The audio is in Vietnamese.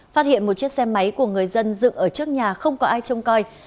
phát hiện một chiếc xe máy của người dân dựng ở trước nhà không có ai trông coi